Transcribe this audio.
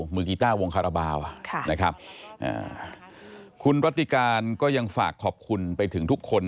มือกีตาร์วงขระเบานะครับคุณปฏิการก็ยังฝากขอบคุณไปถึงทุกคน